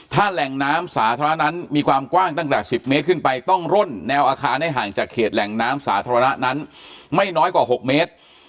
ถ้าแหล่งน้ำสาธารณะนั้นมีความกว้างตั้งแต่๑๐เมตรขึ้นไปต้องร่นแนวอาคารให้ห่างจากเขตแหล่งน้ำสาธารณะนั้นไม่น้อยกว่า๖เมตร